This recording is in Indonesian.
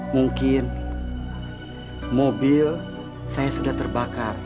mungkin mobil saya sudah terbakar